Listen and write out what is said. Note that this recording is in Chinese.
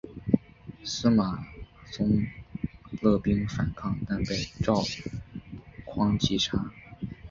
司马宗勒兵反抗但被赵胤击杀。